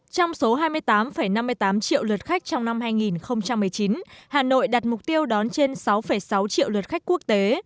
trong số hai mươi tám năm mươi tám triệu lượt khách trong năm hai nghìn một mươi chín hà nội đặt mục tiêu đón trên sáu sáu triệu lượt khách quốc tế